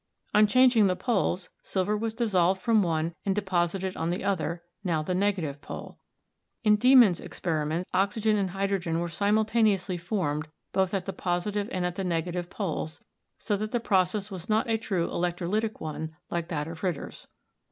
On changing the poles, silver was dissolved from one and deposited on the other (now the negative pole). In Deimann's experiment, oxy gen and hydrogen were simultaneously formed both at the positive and at the negative poles, so that the process was not a true electrolytic one like that of Ritter's.